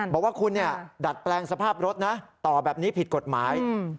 บอกว่าคุณดัดแปลงสภาพรถนะต่อแบบนี้ผิดกฎหมาย